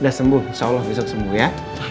sudah sembuh insya allah besok sembuh ya